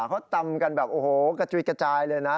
เขาตำกันแบบโอ้โหกระจุยกระจายเลยนะ